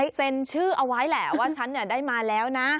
เซ็นชื่อเอาไว้แหละว่าฉันได้มาแล้วนะ